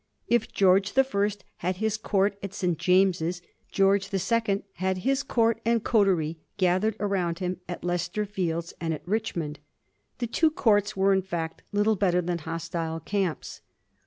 If George the First had his court at St. James's, George the Second had his court and coterie gathered around him at Leicester Fields and at Richmond. The two courts were, in fact,' little better than hostile camps.